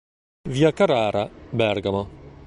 V. Carrara, Bergamo.